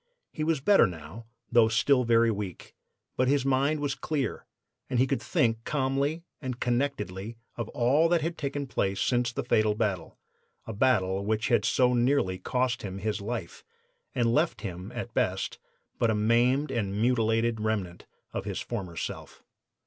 He was better now, though still very weak; but his mind was clear, and he could think calmly and connectedly of all that had taken place since the fatal battle a battle which had so nearly cost him his life and left him at best but a maimed and mutilated remnant of his former self.